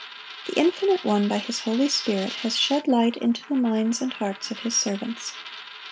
The Infinite One by His Holy Spirit has shed light into the minds and hearts of His servants.